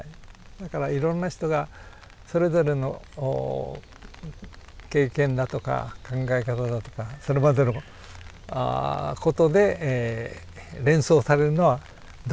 だからいろんな人がそれぞれの経験だとか考え方だとかそれまでのことでえ連想されるのはどうぞご自由に。